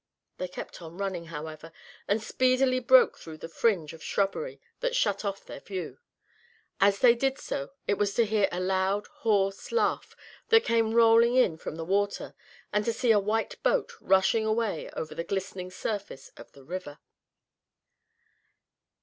They kept on running, however, and speedily broke through the fringe of shrubbery that shut off their view. As they did so it was to hear a loud hoarse laugh, that came rolling in from the water, and to see a white boat rushing away over the glistening surface of the river.